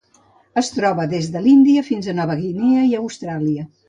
Es troba des de l'Índia fins a Nova Guinea i Austràlia.